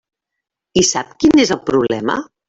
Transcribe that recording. I sap quin és el problema?